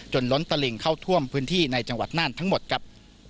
ล้นตลิงเข้าท่วมพื้นที่ในจังหวัดน่านทั้งหมดครับ